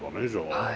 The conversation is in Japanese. はい。